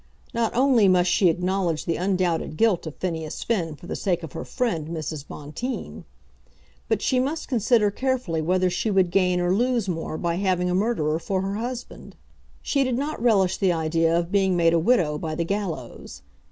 Not only must she acknowledge the undoubted guilt of Phineas Finn for the sake of her friend, Mrs. Bonteen; but she must consider carefully whether she would gain or lose more by having a murderer for her husband. She did not relish the idea of being made a widow by the gallows.